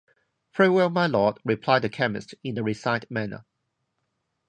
‘Very well, my Lord,’ replied the chemist, in a resigned manner.